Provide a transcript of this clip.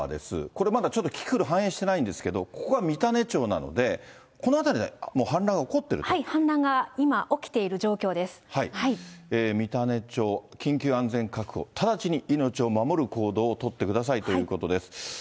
これまで、ちょっとキキクル反映していないんですけど、ここが三種町なので、この辺りでもう氾濫氾濫が今、起きている状況で三種町、緊急安全確保、直ちに命を守る行動を取ってくださいということです。